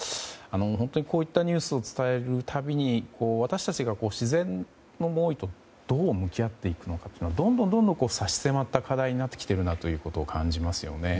本当にこういったニュースを伝える度に私たちが自然の猛威とどう向き合っていくのかはどんどん差し迫った課題になっているなということを感じますよね。